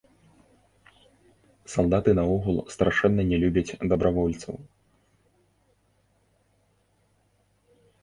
Салдаты наогул страшэнна не любяць дабравольцаў.